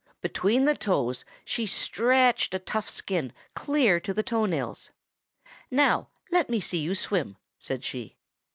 Between the toes she stretched a tough skin clear to the toe nails. 'Now let me see you swim,' said she.